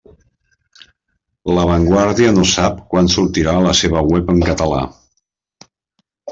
La Vanguardia no sap quan sortirà la seva web en català.